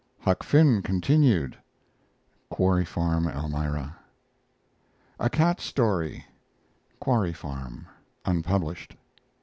HUCK FINN continued (Quarry Farm, Elmira). A CAT STORY (Quarry Farm) (unpublished).